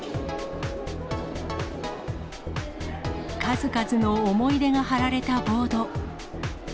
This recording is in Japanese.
数々の思い出が貼られたボード。